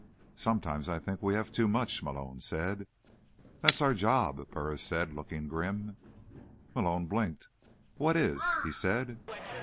"Sometimes I think we have too much," Malone said. "That's our job," Burris said, looking grim. Malone blinked. "What is?" he said.